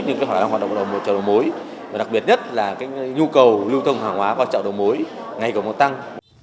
nhưng cái hoạt động của chợ đầu mối đặc biệt nhất là cái nhu cầu lưu tông hàng hóa của chợ đầu mối ngày cộng tăng